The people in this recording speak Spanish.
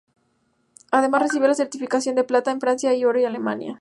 Además recibió la certificación de plata en Francia y oro en Alemania.